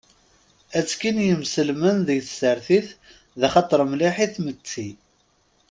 Atekki n yimselmen deg tsertit d axater mliḥ i tmetti.